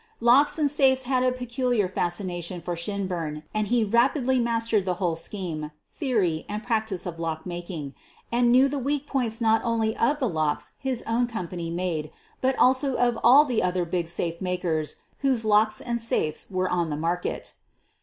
Locks and safes had a peculiar fascination for Shinburn and he rapidly mastered the whole scheme, theory, and practice of lock making, and knew the weak points not only of the locks his own company made but also of all the other big safe makers whose locks and safes were on the market.